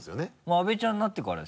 阿部ちゃんになってからですよね